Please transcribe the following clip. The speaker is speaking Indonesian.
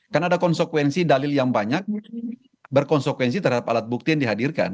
kan ada konsekuensi dalil yang banyak berkonsekuensi terhadap alat bukti yang dihadirkan